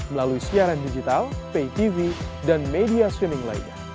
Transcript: melalui siaran digital pay tv dan media swimming lainnya